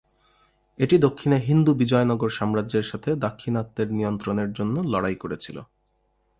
এটি দক্ষিণে হিন্দু বিজয়নগর সাম্রাজ্যের সাথে দাক্ষিণাত্যের নিয়ন্ত্রণের জন্য লড়াই করেছিল।